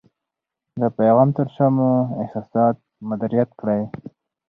د پیغام تر شا مو احساسات مدیریت کړئ.